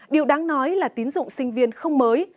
điều đáng nói là tín dụng sinh viên không mới